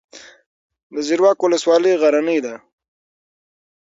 د زیروک ولسوالۍ غرنۍ ده